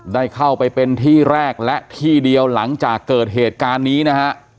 ได้เข้าไปเป็นที่แรกและที่เดียวหลังจากเกิดเหตุการณ์นี้นะฮะ